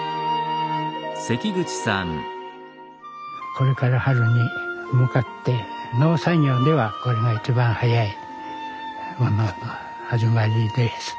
これから春に向かって農作業ではこれが一番早い始まりです。